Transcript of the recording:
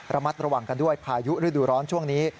ระมัดระวังกันด้วยพายุฤดูร้อนช่วงนี้